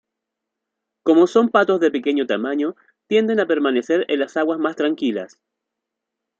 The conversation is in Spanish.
Como son patos de pequeño tamaño, tienden a permanecer en las aguas más tranquilas.